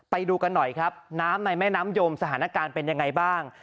ไปดูกันหน่อยครับน้ำในแม่น้ำยมสถานการณ์เป็นยังไงบ้าง